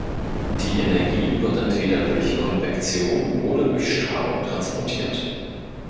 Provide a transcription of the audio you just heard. Die Energie wird entweder durch Konvektion oder durch Strahlung transportiert.